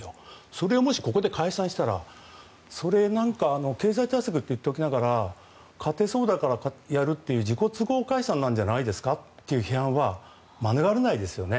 それがもしここで解散したら経済対策と言っておきながら勝てそうだからやるという自己都合解散なんじゃないですかという批判は免れないですよね。